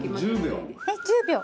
１０秒！